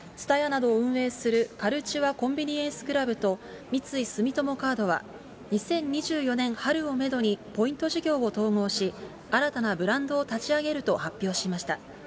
ＴＳＵＴＡＹＡなどを運営するカルチュア・コンビニエンス・クラブと、三井住友カードは、２０２４年春をメドにポイント事業を統合し、新たなブランドを立ち上げると発表しました。